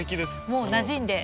もうなじんで。